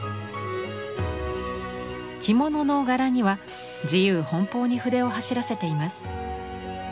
着物の柄には自由奔放に筆を走らせています。